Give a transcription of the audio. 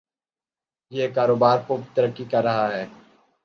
یہ کاروبار خوب ترقی کر رہا ہے۔